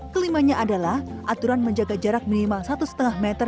kelimanya adalah aturan menjaga jarak minimal satu lima meter